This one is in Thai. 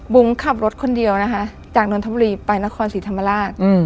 ขับรถคนเดียวนะคะจากนนทบุรีไปนครศรีธรรมราช